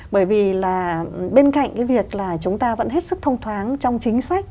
bởi vì là bên cạnh cái việc là chúng ta vẫn hết sức thông thoáng trong chính sách